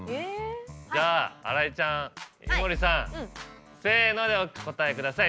じゃあ新井ちゃん井森さんせのでお答えください。